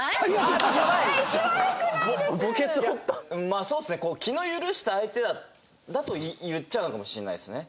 まあそうですね気の許した相手だと言っちゃうのかもしれないですね